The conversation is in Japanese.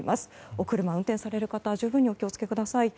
お車を運転される方十分にお気を付けください。